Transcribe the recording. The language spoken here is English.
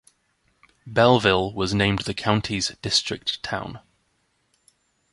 Belleville was named the county's District Town.